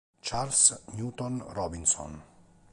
Charles Newton Robinson